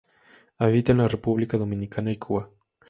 Habita en la República Dominicana y Cuba.